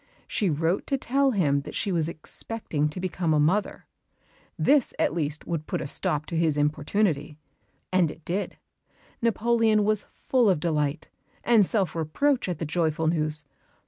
She wrote to tell him that she was expecting to become a mother. This at least would put a stop to his importunity. And it did. Napoleon was full of delight and self reproach at the joyful news.